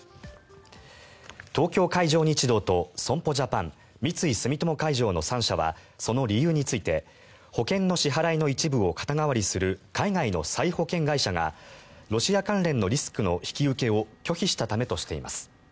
東京海上日動と損保ジャパン三井住友海上の３社はその理由について保険の支払いの一部を肩代わりする海外の再保険会社がロシア関連のリスクの引き受けを拒否したためとしています。